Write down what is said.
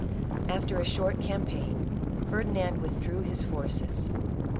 After a short campaign, Ferdinand withdrew his forces.